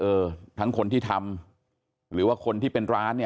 เออทั้งคนที่ทำหรือว่าคนที่เป็นร้านเนี่ย